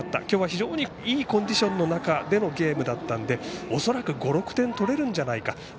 きょうは非常にいいコンディションの中でのゲームだったので恐らく５６点取れるんじゃないか。